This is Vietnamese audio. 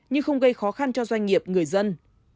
nhưng không gây khó khăn cho doanh nghiệp người dân